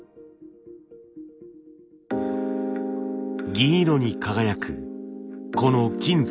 銀色に輝くこの金属。